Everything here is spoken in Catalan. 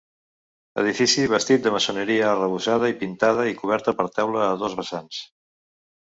Edifici bastit de maçoneria arrebossada i pintada i cobert per teulada a dos vessants.